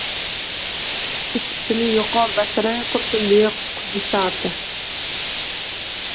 ikkinchisini «yo'qol, basharang qursin» deya qubishadi.